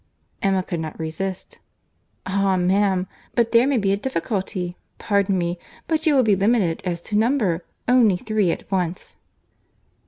Emma could not resist. "Ah! ma'am, but there may be a difficulty. Pardon me—but you will be limited as to number—only three at once."